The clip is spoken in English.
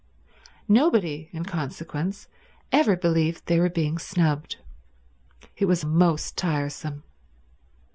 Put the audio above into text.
Nobody in consequence ever believed they were being snubbed. It was most tiresome.